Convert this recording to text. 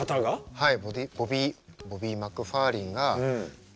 はい。